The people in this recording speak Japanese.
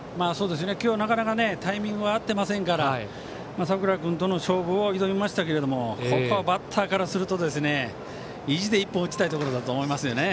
今日、なかなかタイミングが合ってませんから佐倉君との勝負を挑みましたがここはバッターからすると意地で一本打ちたいところだと思いますね。